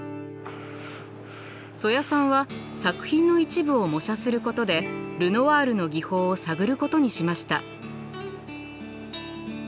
曽谷さんは作品の一部を模写することでルノワールの技法を探ることにしました。